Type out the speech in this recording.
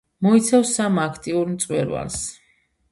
მოიცავს სამ აქტიურ მწვერვალს.